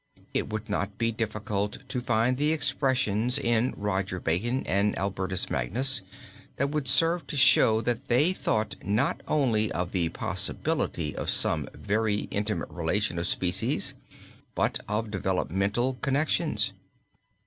It would not be difficult to find expressions in Roger Bacon and Albertus Magnus, that would serve to show that they thought not only of the possibility of some very intimate relation of species but of developmental connections.